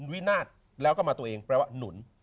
วินาศแล้วก็มาตัวเองแปลว่าหนุน